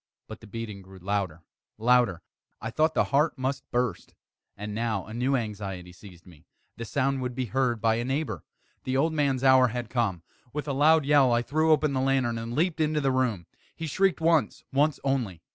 But the beating grew louder, louder! I thought the heart must burst. And now a new anxiety seized me the sound would be heard by a neighbour! The old man's hour had come! With a loud yell, I threw open the lantern and leaped into the room. He shrieked once once only.